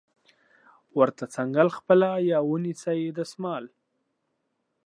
ورته څنګل خپله یا ونیسئ دستمال